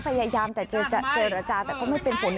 พยายามแต่เจรจาแต่ก็ไม่เป็นผล